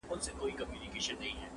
زما هغه معاش هغه زړه کیسه ده,